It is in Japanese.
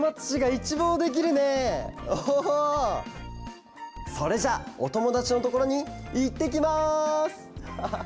それじゃあおともだちのところにいってきます！